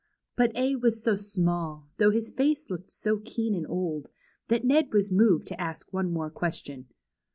But A was so small, though his face looked so keen and old, that Ned was moved to ask one more question.